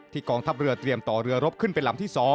กองทัพเรือเตรียมต่อเรือรบขึ้นเป็นลำที่๒